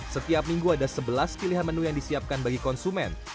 setiap minggu ada sebelas pilihan menu yang disiapkan bagi konsumen